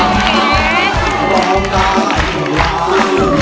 เพลงที่๓มูลค่า๔๐๐๐๐บาท